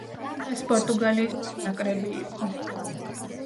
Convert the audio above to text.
ეს პორტუგალიის ნაკრები იყო.